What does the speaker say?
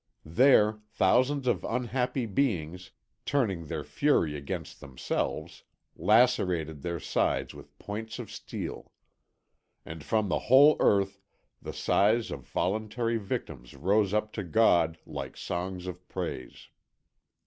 There, thousands of unhappy beings, turning their fury against themselves, lacerated their sides with points of steel. And from the whole earth the sighs of voluntary victims rose up to God like songs of praise.